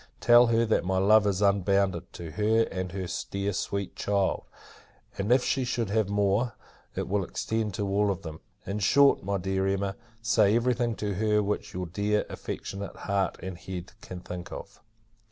Tell her, that my love is unbounded, to her and her dear sweet child; and, if she should have more, it will extend to all of them. In short, my dear Emma, say every thing to her, which your dear, affectionate, heart and head, can think of.